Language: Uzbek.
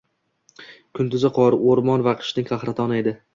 Kunduzi qor, o’rmon, qishning qahratoni edi.